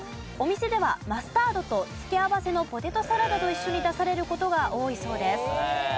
お店ではマスタードと付け合わせのポテトサラダと一緒に出される事が多いそうです。